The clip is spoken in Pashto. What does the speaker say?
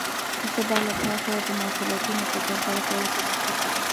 زه به له تا سره د مسؤليتونو په ترسره کولو کې مرسته کوم.